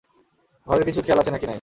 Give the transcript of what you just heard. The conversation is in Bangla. ঘরের কিছু খেয়াল আছে নাকি নাই?